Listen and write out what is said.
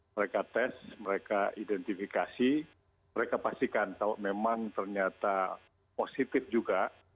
mereka tes mereka identifikasi mereka pastikan kalau memang ternyata positif juga